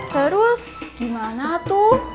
terus gimana tuh